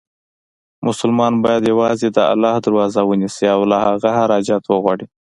مسلمان باید یووازې د الله دروازه ونیسي، او له هغه هر حاجت وغواړي.